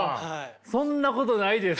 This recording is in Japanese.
そんなことないです。